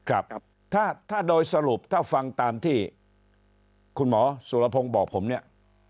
ครับถ้าโดยสรุปถ้าฟังตามที่คุณหมอสุรพงศ์บอกผมเนี่ย